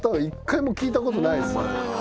一回も聞いたことないです。